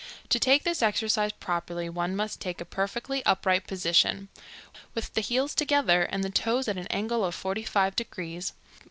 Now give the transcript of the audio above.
To take this exercise properly one must take a perfectly upright position. With the heels together and the toes at an angle of forty five degrees.